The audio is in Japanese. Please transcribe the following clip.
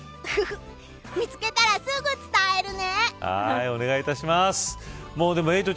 見つけたらすぐ伝えるね。